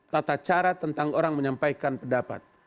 tata cara tentang orang menyampaikan pendapat